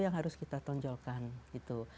yang harus kita tonjolkan gitu